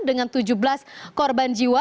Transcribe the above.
dengan tujuh belas korban jiwa